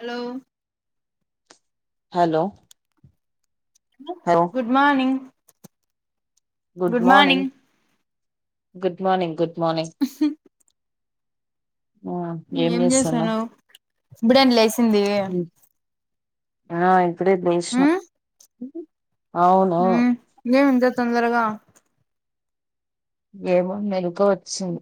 Hello hello hello good morning good morning good morning good morning ఆ ఏం చేసాను ఇప్పుడేన్ లేసింది. ఆ ఇప్పుడే లేస్నా ఊ ఏమింత తొందరగా ఏమో మెలుక వచ్చింది.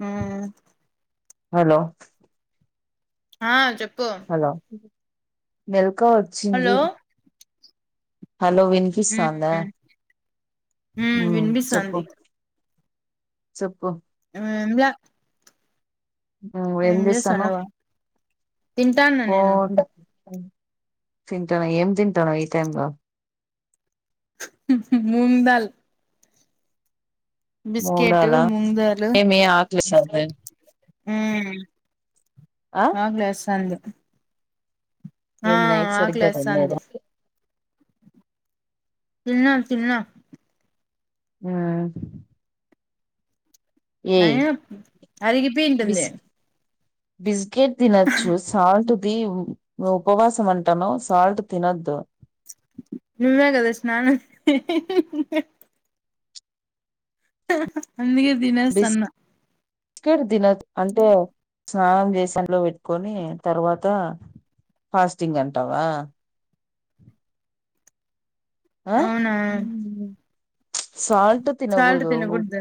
ఊ హలో ఆ చెప్ హలో హాలో అక్క హలో వచ్చింది. హలో ఉ వినీపిస్తందా ఊ చెప్పు వినిపిస్తుంది చెప్పు ఎంలే ఏం చేస్తున్నావ్ తింటాను పో నేను హు తింటన్నావ్ ఏం తింటన్నావ్ ఈ టైమ్ లో మూంగ్ డాల్ మూంగ్ డాల మూంగ్ దాల్ ఏమీ ఆకలేస్తాందా ఊ ఆ ఆకలేస్తాంది. ఆ ఏం నైట్ సరిగ్గా ఆకలేస్తాంది. తినలేదా తిన్న తిన్న ఆ అయినా అరిగిపోయింటుంది. బిస్ బిస్కెట్ తినచ్చు సాల్ట్ అది ఉపవాసం అంటన్నావ్ సాల్ట్ తినద్దు. నువ్వే కదా స్నానం [inaudible] అందుకే తినేస్తన్న. బిస్కెట్ తీన్ అంటే స్నానం చేసి పెట్టుకొని తర్వాత ఫాస్టింగ్ అంటావా ఆ అవునా ఊ సాల్ట్ సాల్ట్ తిన గుడ్దు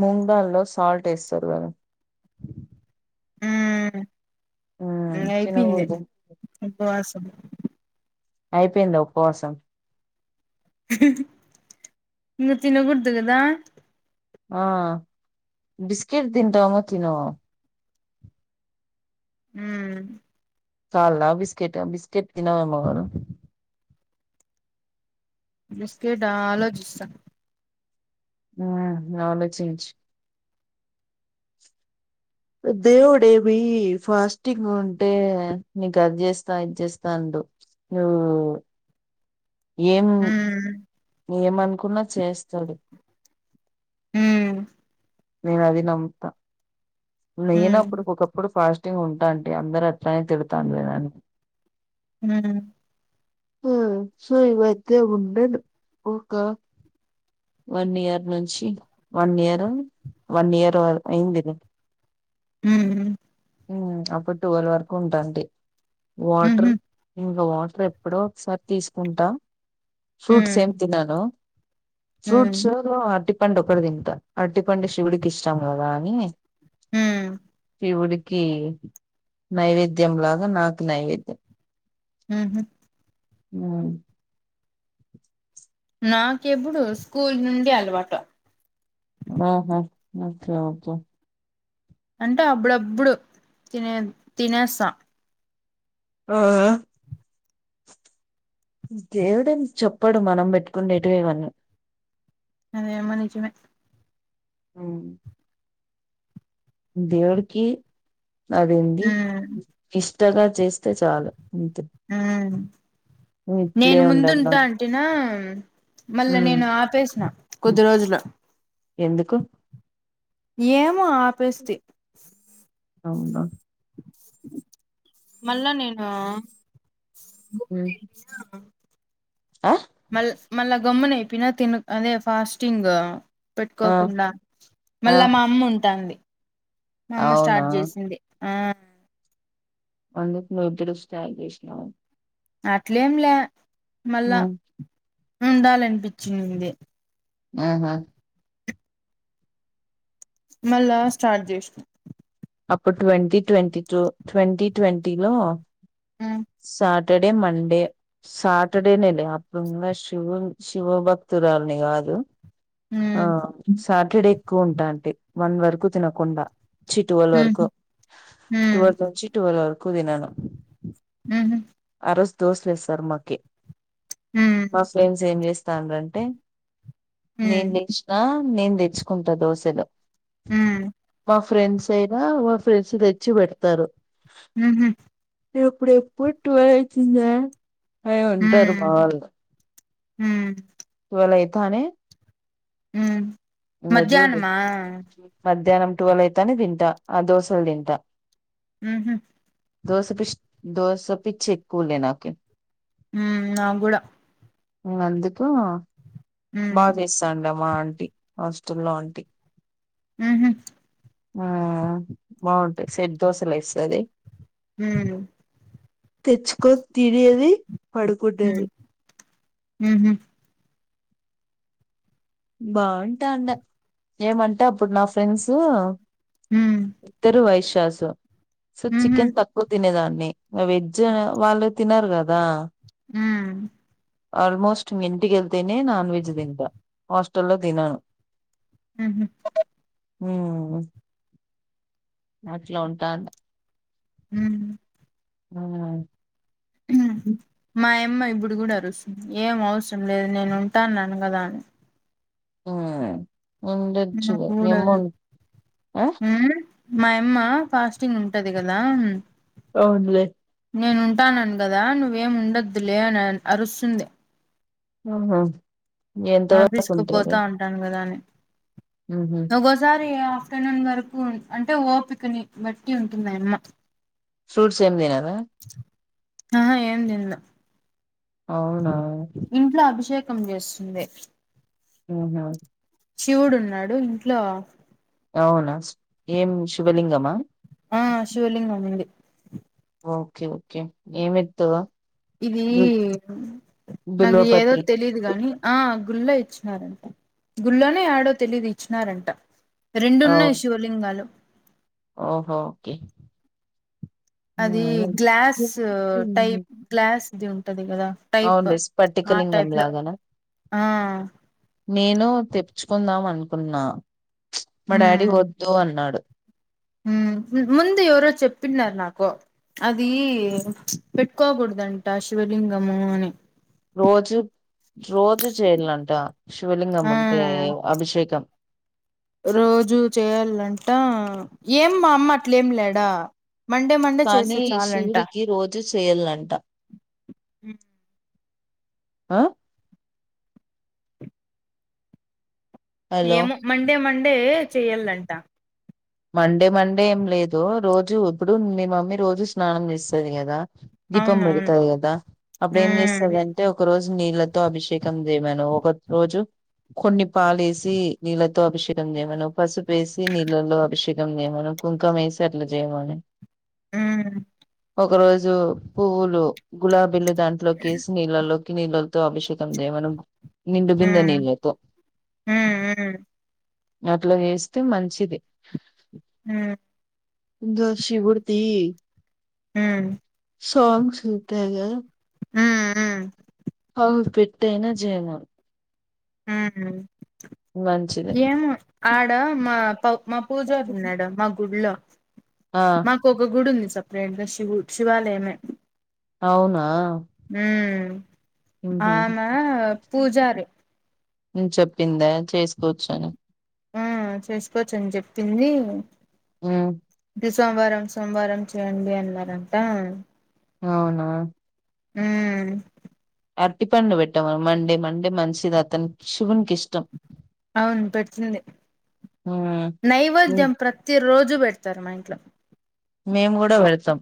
మూంగ్ డాల్లో సాల్ట్ వేస్ధారు కదా ఊ ఉమ్ ఇంగ అయిపోందే తినకూడదు ఉపవాసం అయిపోయిందా ఉప్పవాసం ఇంగ తినగుడుదు కదా ఆ బిస్కిట్ తింటావేమో తిను ఊ త్యాల్ల బిస్కెట్ బిస్కెట్ తినవేమో బిస్కెట్ ఆ ఆలోచిస్తా ఆ ఆలోచంచు దేవుడేవి ఫాస్టింగ్ ఉంటే నీకు అది చేస్తా ఇది చేస్తా అండు నువ్వు ఏం ఉమ్ ఏమనుకున్నా చేస్తాడు ఉమ్ నేను అది నమ్ముతా ఉమ్ నేనప్పుడు ఒకప్పుడు ఫాస్ట్ ఉంటా అంటి అందరు అట్లనే తిడతాండ్రి నన్ను మ్ సో ఇవైతే ఉండదు ఒక వన్ ఇయర్ నుంచి వన్ ఇయర్ వన్ ఇయర్ అయిందిలే ఉమ్ అప్పుడు టువెల్ వరకు ఉంటావుండి వాటర్ ఉహు ఇంకా వాట్ ఎప్పుడో ఒకసారి తీసుకుంటా ఫ్రూట్స్ ఉమ్ ఏం తినను ఉమ్ ఫ్రూట్స్ లో అటి [unintelligible] పండు ఒకటి తింటా అర్టి పండే శివుడికిష్టం కదా అని ఉమ్ శివుడికి నైవేద్యం లాగా నాకు నైవేద్యం ఊహూ హూ నాకెప్పుడు స్కూల్ నుండి అలవాటు ఆహా ఓకే ఓకే అంటే అప్పుడబ్బుడు తినే తినేస్తా ఆ దేవుడేం చెప్పడు మనం పెట్టుకునేటివే ఇవన్నీ అదేమో నిజమే అ [unintelligible] దేవుడికి అదేంది ఉమ్ [unintelligible] గ చేస్తే చాలు అంతే ఆ ఇట్లే నేను ఉండాల ముందుంటాంటినా మళ్ళా నేను ఆపేసిన కొద్ది రోజులు ఎందుకు ఏ [unintelligible] ఆపేస్తీ అవునా మళ్ళా నేను మ్ హూ ఆ మళ్ మళ్ళా గొమ్మునైపోయినా తిను అదే ఫాస్టింగ్ ఆ పెట్టుకోకుండా ఆ మళ్ళా మా అమ్మ ఉంటాంది మా అమ్మ అవునా స్టార్ట్ చేసింది ఆ అందుకు [unintelligible] ఇద్దరు స్టార్ట్ చేసినవ అట్లేం లే మళ్ళ ఉమ్, ఉండాలనిపించింది ఉహు మళ్ళా స్టార్ట్ జేస్నం అప్పు twenty twenty two twenty twenty లో ఉమ్ సాట్ టర్డే మండే సాటర్డేనే లే అప్పుడు ఇంగ శివున్ శివభక్తురాల్ని కాదు. ఆ సాటర్డే ఎక్కువ ఉంటాంటి వన్ వరకు తినకుండా చి టువల్ వరకు ఉమ్ ఉమ్ ట్వెల్త్ నుంచి టువల్ వరక్ క్కువ దినను మ్మ్ హ్మ్ ఆ రోజు దోశలేస్సార్ మాకి ఉమ్ మా ఫ్రెండ్స్ ఏం చేస్ తాండ్రి అంటే నేను ఉమ్ లేషిన నేను దెచ్చుకుంటా దోశలు మఫ్ ఫ్రెండ్స్ అయినా వాళ్ ఫ్రెండ్స్ తెచ్చి పెడ్తారు ఉమ్ ఉమ్ ఎప్పుడు ఎప్పుడ్ టువల్ అయితుందా అయ్ ఉంటరు మా వాళ్ళు మ్మ్ వాళ్లు ఐతానే మ్మ్ మధ్యాహ్నమా ధ్యానం టువల్ అయితానే తింటా ఆ దోశల్ తింటా మ్మ్ హ్మ్ దోసపిచ్ దోసపిచ్చి ఎక్కువలే నాకి హ్మ్ నాగ్గూడ అందుక్ మ్మ్ హా బా మ్మ్ జేస్సండాం ఓ ఆంటీ హాస్టల్లో ఆంటీ మ్మ్ హ్మ్ ఆ బాగుంటాయి సెట్ దోశలు ఎస్తది మ్మ్ తెచ్చుకో తినేది పడుకూడేది ఉహు బాగుంటా అన్న ఏమంటే అప్పుడు నా ఫ్రెండ్స్ మ్మ్ మ్హు ఇద్దరు వైశు దాసు సో మ్మ్ చికెన్ తక్కువ తినేదాన్ని వెజ్ వాళ్ళు తినారు కదా, ఊ ఆల్మోస్ట్ ఇంటికెళ్తనే నాన్ వెజ్ తింటా హాస్టల్లో తినను మ్హు ఉహు అట్లా ఉంటా హు ఆ హ మాయమ్మ ఇప్పుడు కూడ అరుస్తుంది ఏం అవసరం లేదు నేను ఉంటాను అన్నగదా అని, ఆ ఉండొచ్చు ఏమో కూడదు ఆ మాయి అమ్మ ఫాస్టింగ్ ఉంటది కదా, అవునులే నేను ఉంటానను కదా నువ్వేం ఉండద్దులే అని అరుస్తుంది ఉహు మా తీసుకుపోతా అటను కదా అని ఊహూ హగోసారి ఆఫ్టర్నూన్ వరకు అంటే ఓపికని బట్టి ఉంటుందిమాయమ్మ, ఫ్రూట్స్ ఏ తినదు ఆ ఆహ ఏం తినలే అవునా ఇంట్లో అభిషేక్ కం చేస్తుంది ఆహా శివుడు ఉన్నాడు ఇంట్లో అవునా ఏం శివలింగమా ఆ శివలింగం అండి ఓకే ఓకే ఏమి ఏమీతు ఇది నాకు ఏదో బిల్వపత్రి తిలియదు గాని ఆ గుళ్లా ఇచ్చినారంట గుళ్ళనే ఆడో తెలిదు ఇచ్చినారంట రెండు అవు ఉన్నాయి శివలింగాలు ఓహో ఓకే అది గ్లాస్ టైప్ గ్లాస్ది ఉంటుంది. ఏద టైప్ అవునులే ఆ స్పటికలింగం టైప్ లో లాగానా ఆ నేను తెచ్చుకుందాం అనుకున్నా. మా డాడీ ఉమ్ వద్దు అన్నాడు. ముందు ఎవరో చెప్పన్నారు నాకు అది పెట్టుకోకూడదంట. శివలింగము అని రోజు రోజు చేయాలంట శివలింగం ఆ ఉంటే అభిషేకం. రోజూ చేయాలంట ఏం మా అమ్మ అట్లేమి లేడా మండే మండే కానీ చేస్తే చాలంట శివుడికి రోజు చేయలంట. ఆ హలో ఏమో మండే మండే చెయ్యదంట మండే మండే ఏం లేదు, రోజు ఇప్పుడు మీ మమ్మీ రోజు స్నానం చేస్తుంది కదా. దీపం అవునవును పెడతారు కదా, అప్పుడు ఏం ఉమ్ చేస్తంది అంటే ఒక రోజు నీళ్ళతో అభిషేకం చేయమను, ఒక రోజు కొన్ని పాలెసి నీళ్ళతో అభిషేకం చేయమను, పసుపేసి నీళ్ళలో అభిషేకం చేయమను, కుంకుమ వేసి అట్లే చేయమను ఉ ఒక రోజు పువ్వులు గులాబీల దాంట్లోకేసి నీళ్ళలో నీళ్తో అభషేకం చేయమను నిండు బిందనీళ్లతో ఉమ్ ఉమ్ అట్లా వేస్తే మంచిది. ఉమ్ దో శివడుది ఉమ్ సోంగ్స్ ఉతగా ఉమ్ ఉమ్ [unintelligible] అయినా చేయన ఉమ్ మంచిది ఎమ్మో ఆడ మా పూజారి ఉన్నాడా మా గుడ్లో ఆ మాకు ఒక గుడి ఉంది సప్ రెండు శివు శివాలయమే అవునా ఉమ్ అ ఉహు ఆయనా పూజారీ నేను చెప్పిందా చేసుకోచ్చాను ఆ చేసుకోవచ్చని చెప్పింది హ్మ్ తి సోమవారం సోమవారం చెయండి అన్నారంటా అవునా ఉమ్ అరటిపండు పెట్టవా మండే మండే మంచిదతని శివున్ అవును పెడుతుంది ఉమ్ ఉమ్, నైవేద్యం ప్రత్తిరోజ్ జు బెడతరు మా ఇంట్లొ మేము కూడా వెళ్తాం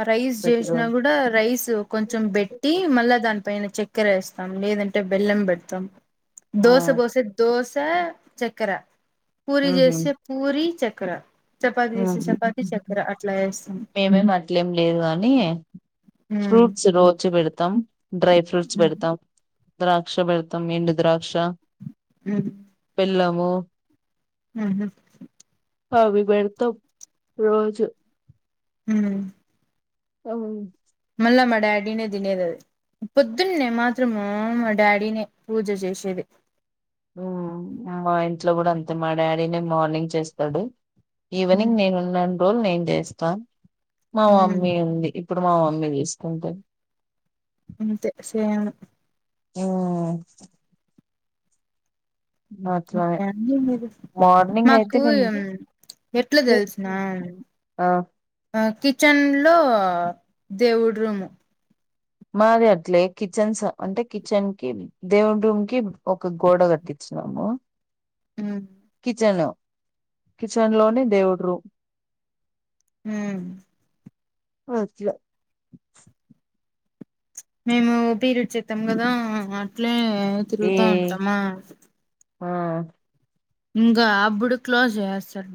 అ రైస్ జేష్నా గుడా రైస్ కొంచెం బెట్టి మళ్ళా దాన్ పైన చక్కెరేస్తాం లేదంటె బెల్లంబెడతం ఆ దోస బోసి దోసా చెక్కెర పూరి ఉహు చేస్తే పూరి చ క్కర చపాతి ఆహా. చెస్తే చపాతి చక్కెర అట్లా ఎస్తం ఏం లేదు గానీ ఉమ్ ఫ్రూట్స్ రోజు బెడు తం డ్రై ఫ్రూట్స్ ఉమ్ బెడతాం ద్రాక్ష బెడతం ఎండు ద్రాక్ష అ లవ్వు ఉహు హావి బెడ్ త్తొం రోజు ఉమ్ అవును అల్ల మా డాడీనే తినేదది పొద్దున్నే మాత్రము మా డాడీనే పూజ చేసేది ఉమ్ మా ఇంట్లో గూడంతె మా డాడీనే మార్నింగ్ చేస్తడు ఉమ్ ఈవెనింగ్ నేనున్నను రోజ్ నేన్ చేస్తా మా ఉమ్ మమ్మీ ఉంది. ఇప్పుడు మా మమ్మీ తీసుకుంటుంది. అంతే సేమ్ ఆ అట్లనే మార్నింగ్ అయితే మాకు నేను- ఎట్లా తెలుసిన ఆ కిటికీ కిచెన్లో దేవునిరూము మాది అట్లే కిచెన్, అంటే కిచెన్ కి, దేవుని రూమ్ కి ఓక గోడ కట్టిచ్చు [unintelligible] ఉమ్ కిచెన్ లో కిచెన్ లోని దేవుడు్రూమ్ హ అట్ల మేము ఓ పీరియడ్ ఐతం కదా అట్లే ఏ తిరుగుతా ఉంటామా ఆ ఇంకా అప్పుడు క్లోజ్ చేసేతారు